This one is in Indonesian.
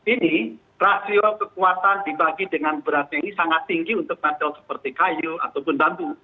ini rasio kekuatan dibagi dengan beras yang ini sangat tinggi untuk mental seperti kayu ataupun bambu